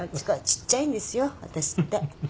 ちっちゃいんですよ私って。